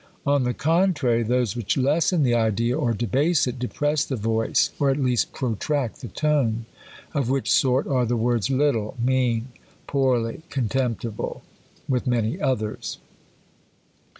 On the contrary, those which lessen the idea, or debase it, depress the voice, or at least protract the tone : of which sort are the words, little, mean, poorly, contemptible, with many others.